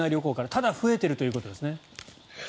ただ増えているということですね。